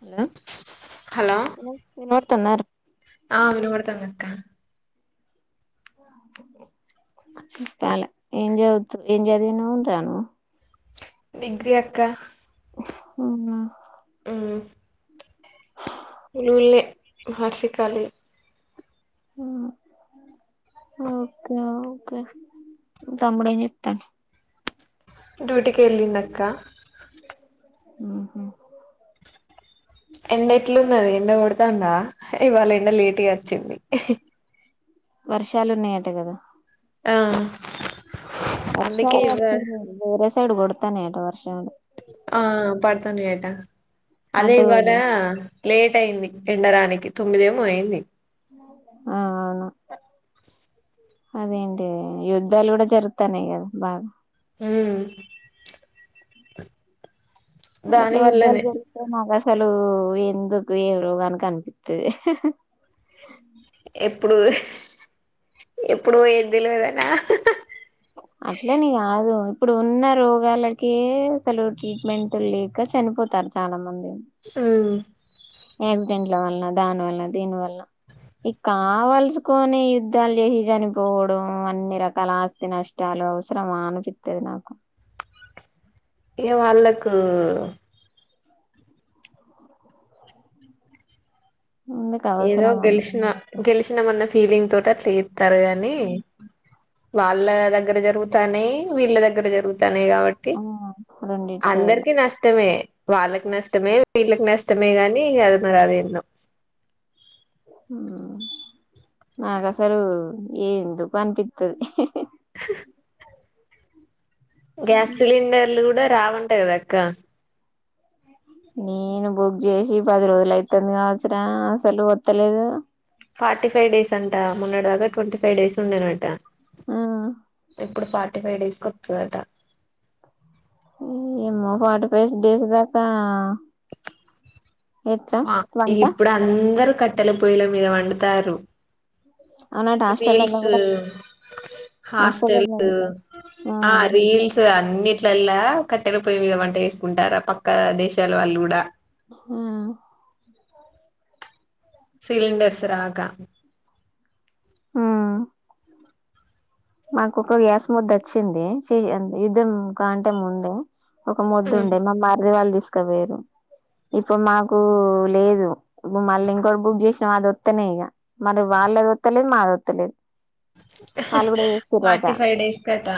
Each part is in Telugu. హలో హలో నోడతన్న ఆ వినబడతంది అక్క చాల ఏం చద్ ఎం చదివినవు రా నువ్వు డిగ్రిీ అక్క అవునా హ్మ్ హహర్ష కాాల [inaudible] ఓకే ఓకే తమ్ముడు ఎం చేతండు డ్యూటికి వెళ్లిండు అక్క హ్మ్ హు ఎండ ఎట్లున్నది ఎండ కొడతందా ఇవాళ ఎండ లేట్గా వచ్చింది వర్షాలు ఉన్నాయట కదా అ వర్షాలు [inaudible] వేర సైడ్ కొడు కొడ్తాన్నాయ్ అంట వర్ ఆ పడుతనే యట అదే అటు ఇవ్వాలా లేట్ అయింది ఎండరానికి తొమ్మిదేమో అయింది ఆ అదేంటే యుద్ధాలు కూడా జరుగుటనాయి కదా బాగా హ్మ్ ఎట్ల యుద్ధలు జరుగుతాయి మాగ అసలు ఎందుకు ఏ రోగానికి అనిపిస్తది ఎప్పుడు ఎప్పుడు ఏంది లేదు అన అట్లే అని కాదు ఇప్పుడు ఉన్న రోగాలక అసలు ట్రీట్మెంట్ లేక చనిపోతారు చాలా మంది హ్మ్ యాక్సిడెంట్ల వల్లన దాని వల్ల దీని వల్ల ఈ కావల్సుకుని యుద్ధాలు చేసి చనిపోవడం అన్ని రకాల ఆస్తి నష్టాలు అవసరం అనిపిస్తది నాకు ఏ వాళ్ళలకు ఎందుకు ఏదో అవసరమా గెలిచిన అన్ని రకాల- గెలిచినా మన్న ఫీలింగ్ తోట అట్ల తరగని వాళ్ళ దగ్గర జరుగుతానే వీళ్ళ దగ్గర జరుగు నే కాబట్టి ఆ రెండిటి సైడ్ల అందరికి నష్టమే వాళ్ళకి నష్టమే వీళ్ళకి నష్టమే గాని అది మరి అది ఏందో నాకు అసలు ఎందుకు అనిపితది గ్యాస్ సిలిండర్లు కూడా రావంటాయి కదా అక్క నేను బుక్ చేసి పది రోజులు అయితుంది కావసర అసలు వత్తలేదు ఫార్టీ ఫైవ్ డేస్ అంట మొన్నటి దాగా ట్వంటీ ఫైవ్ డేస్ ఉండేనట ఆ ఇప్పుడు ఫార్టీ ఫైవ్ డేస్కి వత్తదట ఏ ఏమో పాట పేసి డసదాకా ఇప్పుడు అందరు కట్టెల పొయల మీద వండుతారు అవునట హాస్టల్లలో రీల్స్ కూడా హాస్టల్లలో హాస్టెల్స్ కూడా ఆ రీల్స్ అన్నిట్లలా కట్టెల పొయ్య మీద వంట వేసుకుంటారా పక్క దేశాల వాళ్ళు కూడా ఆ సిండర్స్ రాగా ఆ మాకు ఒక గ్యాస్ ముద్ద వచ్చింది యుద్ధం కాంటే ముందు ఒక ముొద్దు ఉమ్ ఉండే మా మర్రి వాళ్ళు వేరు ఇప్పుడు మాకు లేదు మళ్ళీ ఇంకోటి బుక్ చేసిన అదిత్తనే ఇక మరి వాళ్ళదిత్తలేదు మాదిత్తలేదు ఫార్టీ ఫై డేస్ ఎత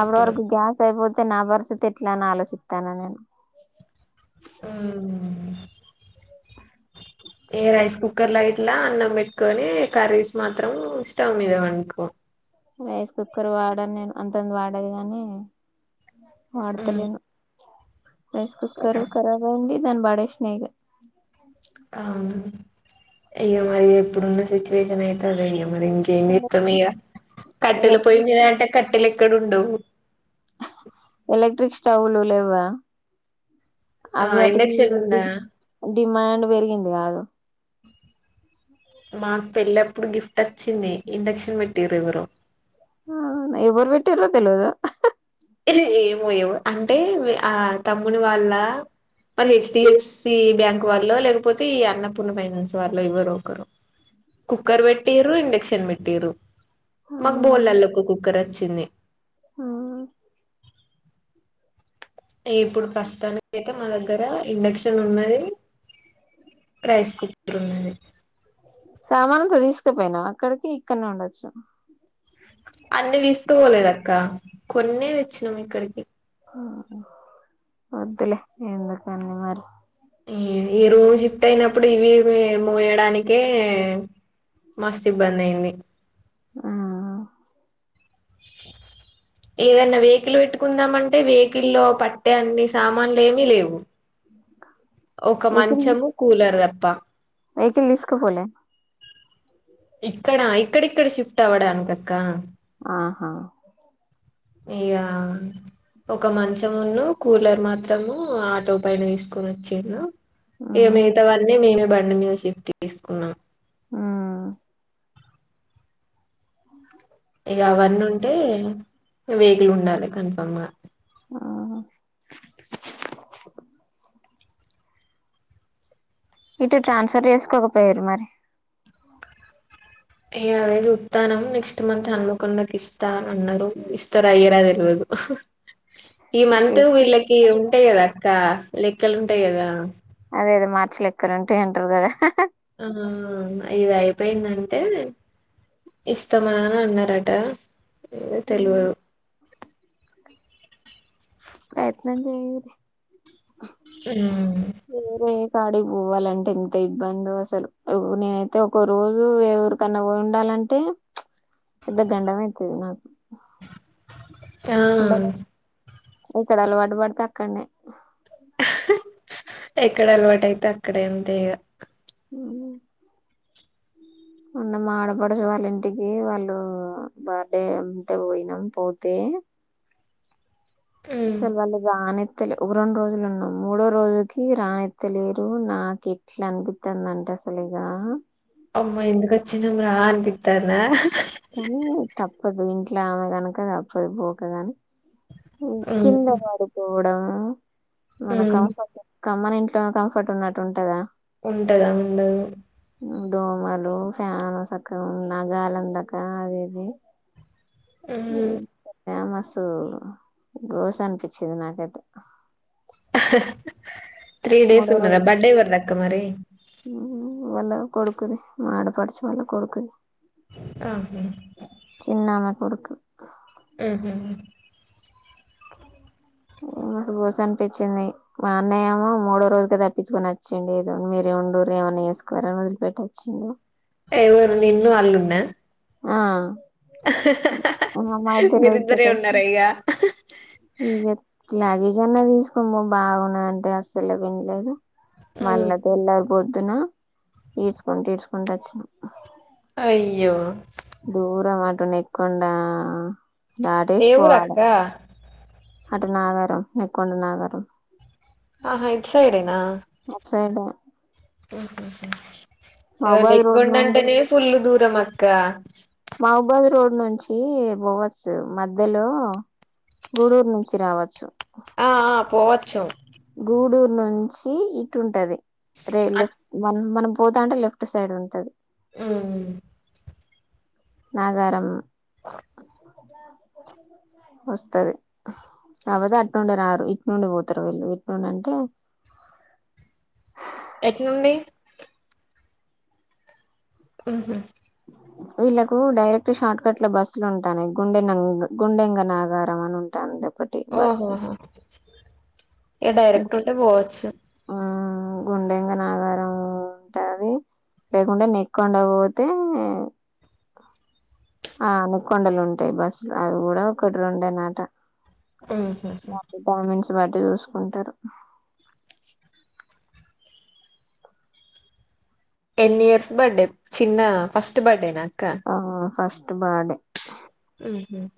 అ్రవర్కు గ్యాస్ అయిబోదు నా భరస తెట్లా నా ఆలోచితత న ఆ ఏ రాైస్ కుకర్ ట్లా అన్నం పెట్టుకొని కర్రీస్ మాత్రం స్టవ్ మీద వండుకో రైస్ కుక్కర్ వాడాను నేను అంత ముందు వాడి కాగానీ ఉమ్ వాతలేను రైస్ కుక్కర్ కరాబ్ అయింది నన్ బాడ స్నేహ అవును ఇయ్య మరి ఎప్పుడున్న సిచ్యువేషన్ అయితుంది అయ్య ఇ ఇంకా ఏమి చేస్తాం గా కట్టల ఎలక్ట్రిక్ పోయింట కట్ట ఎక్కడుండు చవులు లే ఇ్వ ఆ అవిటికి ఇండక్షన్ ఉందా డిమాండ్ పెరిగింది కాదు మాకు పెళ్ళప్పుడు గిఫ్ట్ వచ్చింది ఇండక్షన్ పెట్టిరు ఎవ్వరు ఆ ఇ్వరు బట్టు ఇరుది తెలివదు ఏమోయవ అంటే ఆ తమ్ముని వాళ్ళ మరి హెచ్డఎఫ్సి బ్యాంక్ వాళ్ళ లేకపోతే ఈ అన్నపూర్ణ ఫైనాన్స్ వాళ్ళ ఎవ్వరు ఒకరు కుక్కర్ పెట్టటిరు ఇండక్షన్ పెట్ట్టటిరు మాకు బోలల్లో ఒక కుక్కర్ వచ్చింది ఇప్పుడు ప్రస్తుతానికి అయితే మా దగ్గర ఇండక్షన్ ఉన్నది రైస్ కుక్కర్ ఉన్నది సామానుంత తీసుకుపోయినాం అక్కడికి ఇక్కడనే ఉండొచ్చు అన్ని తీసకవోలేదు అక్క కొన్నే తెచ్చినం ఇక్కడికి వద్దులే ఎందుక అన్నీ మరి ఈ రూమ్ షిఫ్ట్ అయినప్పుడు ఇవి మూవ్ వయడానికే మస్తు ఇబ్బంది అయింది ఆ ఏదన్నా వెహికల్ పెట్టుకుందామంటే వెహకిల్లో పట్టే అన్ని సామాన్లు ఏమిీ లేవు ఒక మంచము కూలర్ తప్ప బ ఏకి స్కు పో ఇక్కడా ఇక్కడిక్కడ షిఫ్ట్ అవ్వడానికికక్క ఆహా ఇక ఒక మంచంమున్న కూలర్ మాత్రము ఆటో పైన వసుకొని వచ్చా ఏనా ఏ ఉమ్ మితవన్నీ మేమ బం మీద షిఫ్ట్ చేసుకున్నాం ఉ అ ఇక అవన్నీ ఉంటే వేగులు ఉండాలి కన్ఫామ్ గా ఆ ఇటు ట్రాన్స్ఫర్ చేసుకోకపోయారు మరి ఏ అదేది ఉస్తానం నెక్స్ట్ మంత్ హన్మకొండకి ఇస్తా అ అన్నారు ఇస్తారు అయ్యరా తెలియదు ఈ మంతు చేసుకో వీళ్ళకి ఉంటాయి కదా అక్క లెక్కలు ఉంటాయి కదా అదే అద మార్చలు ఎక్కడ ఉంటా అంటారు కదా ఆ ఇది అయిపోయిందంటే ఇస్తామా అని అన్నారట తెలుగురు ప్రయత్న చే ఆ ఆడికి పోవాలంటే ఎంత ఇబ్బంధో అసలు నేనైతే ఒక రోజు ఎవురికన్నా ఉండాలంటే పెద్ద గండం అయితది నాకు ఆ అమ ఇక్కడ అలవాటు పడితే అక్కడనేే ఎక్కడ అలవాటు అయితే అక్కడ ఎంత ఇక ఆవు ఉన్న ఆడపడు వాళ్ళ ఇంటికి వాళ్ళు బర్త్డే అంటే పోయినాం పోతే మ్మ్ సల్ అలుగాగాని తె ఒక రెండు రోజులున్నాం మూడో రోజులకి రానెత్తలేరు నాకు ఎట్లా అనిపిస్తుందింటే అసలు ఇగ అమ్మా ఎందుకుచ్చినం రా అనిపితానే కానీ తప్పదు ఇంట్లో ఆమె కనుక తప్పదు పోక కాని మ్మ్ కింద వారి పోడం వనకం మ్మ్ కమ్మన ఇంట్లో కంఫర్ట్ ఉన్నట్టు ఉంటదా ఉంటదా ఉండదు దోమలు ఫ్యాన్ సక్క ఉన్న గాలందాక ఆ అదే అది ఆ సో రోస్ అనిపించిది నాకైతే [inaudible] త్రీ డేస్ మూడో ఉన్నార రోజు బర్డే వర్దాక్క మరి వాల్ల కొడుకుది మా ఆడపడుచు వాల్ల కొడుకుది ఆహ అవున ఆహ ఏ మాకు బోస అనిపించింది మా అన్నయ ఏమో మూడో రోజుక తప్పించుకొని వచ్చండి ఏదో మీరే ఉండూరు ఏమన్నా చేసుకోవారని వదిలిపెట్టచ్చండి ఎవ నిన్న అల్గున్న ఆ మా ఇద్దరిని మీరిద్దరే వదిలిపెట్టి ఉన్న వచ్చిండు అక లాగేజ్ అన్నా తీసుకోమ్ము బాగున్నా అంటే అస్సలే పన్లేదు మ్మ్ మళ్ల్ళది ఎ పొద్దున ఈడ్చుకుంటూ ఈడ్చుకుంటూ వచ్చినం అయ్యో దూరం అటు న ఎక్కుండా ఏవూ రాకత అటు నాగారం నెక్కొండ నాగారం ఆహా ఇట్ స ఇడేనా అట్సైడ్ ఉ రోడ్ నుండి నక్కంంటనే ఫుల్ దూరం మ క్క మాహోబాద్ రోడ్ నుంచి పోవచ్చు మధ్యలో గూడూరు నుంచి రావచ్చు ఆ పోవచ్చు గూడూర్ నుంచి ఇటుంటది రేలే అట్ మన మన పోతాంటే లెఫ్ట్ సైడ్ ఉంటది ఊ నాగారము వస్తది కాపోతే అట్ నుండే రారు ఇట్ నుండి పోతారు వెళ్ళు ఇట్ నుండి అంటే ఎట్ నుండి ఆహ వీళ్ళలకు డైరెక్ట్ షార్ట్ కట్ లో బస్సులు ఉంటానుయి గుండె గుండెంగ నాగారం అని ఉంటాందు ఆఓహోహ ఇ డైరెక్ట్ ఒకటే పోవచ్చు గుండెంగా నాగారం ఉంటుది లేకుండా నెక్ండ పోతే ఆ అను కొండలు ఉంటాయి బస్సులు అవి కూడా ఒకటి ర ఉండేనట ఆహ చ్చబట చూసుకుంటారు టెన్ ఇయర్స్ బర్త్డే చిన్న ఫస్ట్ బర్డే నా ఆ అ బానే ఉహుహు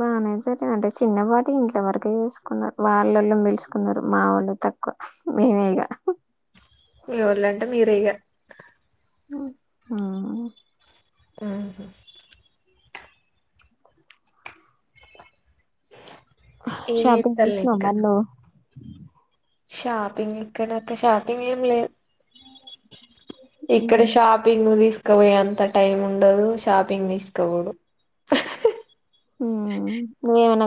బాగానే సరేంది అంటే చిన్నపాటి ఇంట్ల వరకే చేసుకున్నారు వాళ్ళళ పెలుచుకున్నారు మా వాళ్ళు తక్కువ మేమేగా విల్లెవల్ అంటే మీరేగ ఆ ఆా ఏం సబ్ వష్ చేత్తళ్ళు మలో షాపిింగ్క్క షాపిింగ్ ఇక్కడ షాపింగ్ తీసు తీసుపోయి ఎంత టైం ఉండదు షాపింగ్ తీసుకోకూడ ఏమన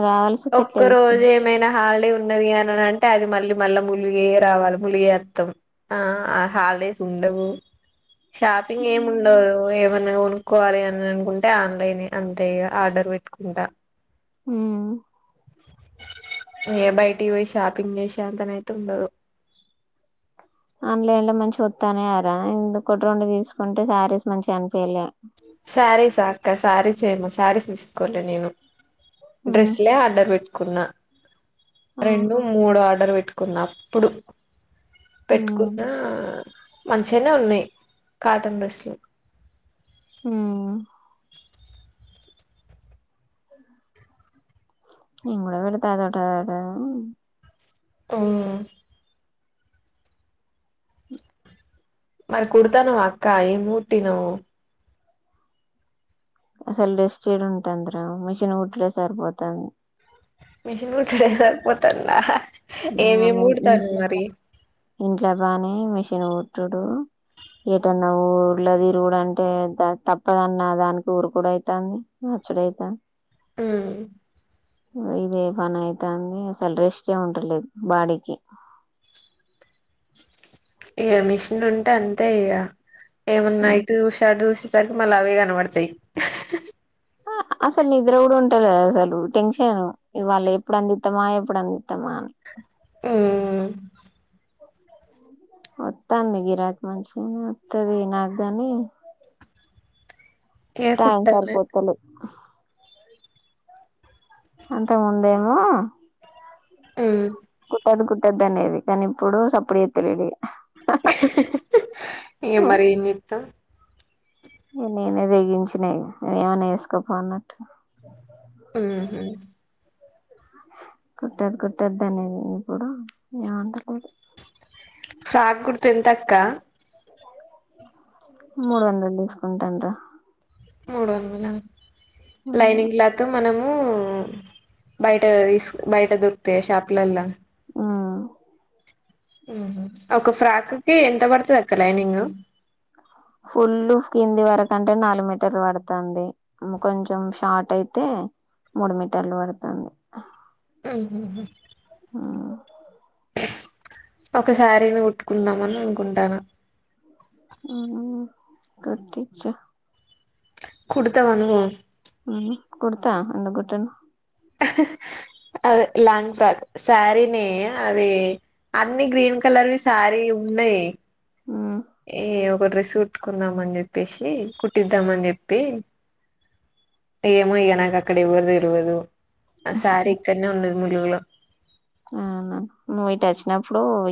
ఒక్క రోజు ఏమైనా హాలిడే ఉన్నది అని అంటే అది మళ్ళీ మళ్ళీ ములిగే రావాలి ములిగే అత్తం ఆ ఆ హాలిడేస్ ఉండవు షాపింగ్ ఏమి ఉండదు ఏమన్నా కొనుక్కకోవాలి అని అనుకుంటే ఆన్లైన్ అంతే ఇ ఆర్డర్ పెట్టుకుంటా ఆ ఏ బయటికి పోయి షాపింగ్ చేసే అంతనైతే ఉండరు ఆన్లైన్ లో మంచి వత్తనేయారందు కొటి రెండు తీసుకుంటే శారీస్ మంచిగా అనిపలే శారీస్ అక్క శారీస్ ఏమో శారీస్ తీసుకోంటను నేను మ్మ్ డ్రెస్లే ఆర్డర్ పెట్ కున్నా రెండు ఆహా మూడు ఆర్డర్ పెట్టుకు కున్నప్పుడు మ్మ్ పెట్టుకున్న మంచిగానే ఉన్నాయి కాటన్ డ్రెస్లు ఆ ఇ కూడా కూడా విళతే ఏదోటదాట ఆ మరి కుతాను అక్కా మూటి ను్ అసలు రెస్ట్ చేడు ఉంటుందరా మిషిన్ గుట్లో సరిపోతుంది మీషన్ కుట్టడానికి సరిపోతన్నా ఇంట్ ఇంట్ల బనేష చిచ్చిన ట్డు ఏటన్నా ఊర్ళదిరుడు అంటే తప్పదన్న దానికి ఊరు కూడా అయితుంది నచ్చడైతంది మ్మ్ ఇద పన్ అవుతుంది సెలరీ ఇస్తే ఉంటుంది బాడికి ఇగ మెషిన్ ఉంటే అంతే ఇగ ఏమన్నా ఇటుచూషీ అటుచూషీ సరికి మళ్ళ అవ్వే కనబడతాయి అసలు నిద్ర కూడా ఉంటలేదసలు టెన్షను ఇవాళ ఎప్పుడు అందిఇత్తమా ఎప్పుడు అందిఇత్తమా అని ఊ వత్తంది గిరాకీ మంచనే వత్తాది నాక్ గని ఇగ టైం కుట్టాలే సరిపోతలే అంతముందేమో ఉహ్ కుట్టదు కుట్టదు అనేది కానీ ఇప్పుడు సప్పుడుచే త్తలేడు ఇగ ఇగ మరి ఎంజేతాం నేనే తెగించిన ఇగ నువ్వు ఏమన్నా చేసుకోపోన్నట్టు ఉహు కుట్టోదూ కుట్టోదూ అనేది ఇప్పుడు ఏమంటలే ఫ్రాక్ కుడుతే ఎంత అక్కా మూడు వందలు తీసుకుంటాను రా మూడు వందలా లైనింగ్ క్లాత్ మనము హు బయట తీస్ బయట దొరుకుతాయా షాపుల్ల ఒక ఫ్రాక్కిి ఎంత పడుతది అక్క లైనింగ్ ఫుల్ కింది వరకంటే నాలుగు మీటర్లు పడుతాంది కొంచెం షార్ట్ అయితే మూడు మీటర్లు పడుతుంది ఉహు ఆ ఒకసారీని కొట్టుకుందామని అనుకుంటాను ఊ కుట్టిచ్చు కుడుతవా నువ్వు ఉ కుడుతా ఎందుకు కుట్టను అదే లాంగ్ ఫ్రాక్ శారీని అది అన్ని గ్రీన్ కలర్వి శారీ ఉన్నాయి ఏ ఓ డ్రెస్సు కుట్టుకుందాం అని చెప్పేసి కుట్టిద్దాం అని చెప్పి యేమో ఇగ నాక్ అక్కడ ఎవ్వరు తెల్వదు ఆ సారి ఇక్కన్నే ఉన్నది ములుగులో అవునా నువ్ ఇటు వచ్చినప్పుడు ఇ